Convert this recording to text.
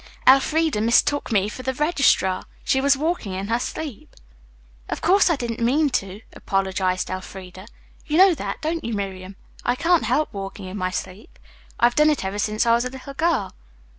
Elfreda mistook me for the registrar. She was walking in her sleep." "Of course I didn't mean to," apologized Elfreda, "You know that, don't you, Miriam? I can't help walking in my sleep. I've done it ever since I was a little girl."